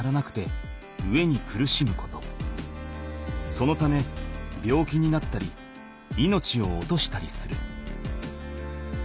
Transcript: そのため病気になったり命を落としたりする。